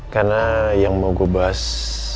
karena yang mau gue bahas